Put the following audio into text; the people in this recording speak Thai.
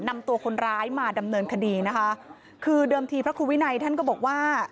นำตัวคนร้ายมาดำเนินคดีนะคะคือเดิมทีพระครูวินัยท่านก็บอกว่า